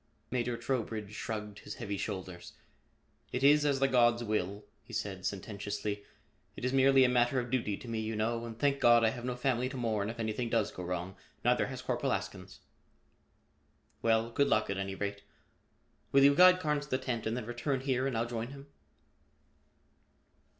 Major Trowbridge shrugged his heavy shoulders. "It is as the gods will," he said sententiously. "It is merely a matter of duty to me, you know, and thank God, I have no family to mourn if anything does go wrong. Neither has Corporal Askins." "Well, good luck at any rate. Will you guide Carnes to the tent and then return here and I'll join him?"